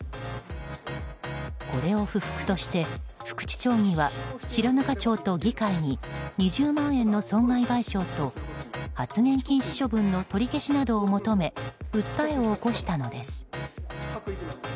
これを不服として福地町議は白糠町と議会に２０万円の損害賠償と発言禁止処分の取り消しなどを求め訴えを起こしたのです。